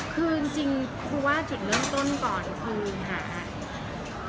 คือจริงครูว่าจุดเริ่มต้นก่อนคือหา